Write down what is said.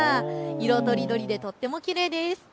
色とりどりでとってもきれいです。